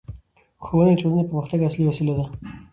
ښوونه د ټولنې د پرمختګ اصلي وسیله ده